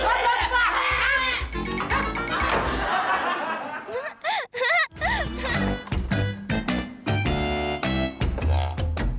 liat dia ngapain dia